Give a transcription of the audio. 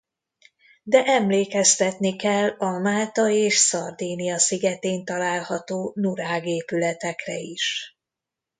De emlékeztetni kell a Málta és Szardínia szigetén található nurágh-épületekre is.